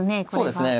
そうですね。